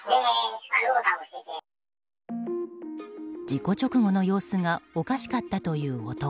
事故直後の様子がおかしかったという男。